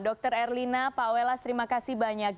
dr erlina pak welas terima kasih banyak